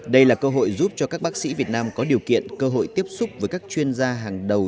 đây là cơ hội giúp cho các bác sĩ việt nam có điều kiện cơ hội tiếp xúc với các chuyên gia hàng đầu